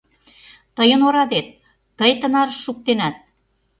Тыйын орадет, тый тынарыш шуктенат.